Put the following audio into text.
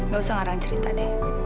gak usah ngarang cerita deh